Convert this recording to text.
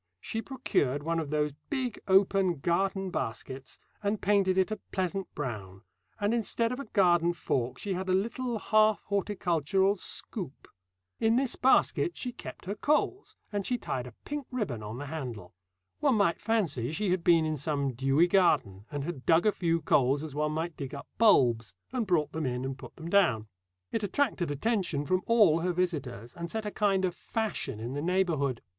She procured one of those big open garden baskets and painted it a pleasant brown, and instead of a garden fork she had a little half horticultural scoop. In this basket she kept her coals, and she tied a pink ribbon on the handle. One might fancy she had been in some dewy garden and had dug a few coals as one might dig up bulbs, and brought them in and put them down. It attracted attention from all her visitors, and set a kind of fashion in the neighbourhood.